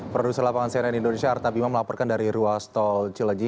produser lapangan cnn indonesia arta bima melaporkan dari ruas tol cileji